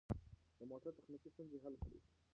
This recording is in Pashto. د موټر تخنیکي ستونزې حل کړئ.